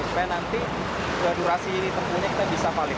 supaya nanti durasi tempuhnya kita bisa paling